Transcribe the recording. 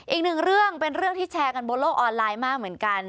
อีกหนึ่งเรื่องเป็นเรื่องที่แชร์กันบนโลกออนไลน์มากเหมือนกัน